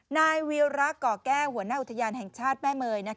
นายวีระก่อแก้วหัวหน้าอุทยานแห่งชาติแม่เมย